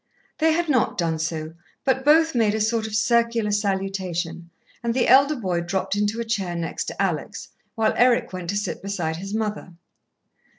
They had not done so, but both made a sort of circular salutation, and the elder boy dropped into a chair next to Alex, while Eric went to sit beside his mother.